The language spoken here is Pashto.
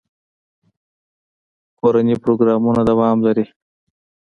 کورني پروګرامونه دوام لري.